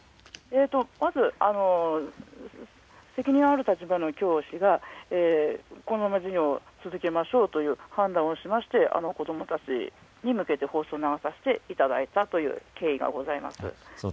まず責任ある立場の教師がこのまま授業を続けましょうという判断をして子どもたちに向けて放送を流させていただいたという経緯がございます。